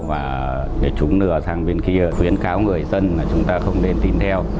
và để chúng lừa sang bên kia khuyến cáo người dân là chúng ta không nên tin theo